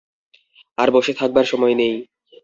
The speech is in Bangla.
আর বসে থাকবার সময় নেই।